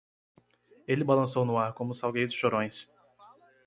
Ele balançou no ar como salgueiros chorões.